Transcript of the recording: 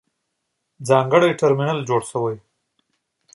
ځانګړی ترمینل جوړ شوی.